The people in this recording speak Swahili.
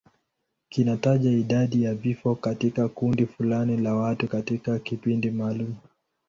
Kinataja idadi ya vifo katika kundi fulani la watu katika kipindi maalum.